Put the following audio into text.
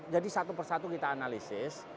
jadi satu persatu kita analisis